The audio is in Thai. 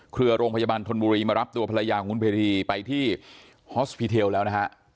โรงพยาบาลธนบุรีมารับตัวภรรยาของคุณเพรีไปที่ฮอสพีเทลแล้วนะฮะ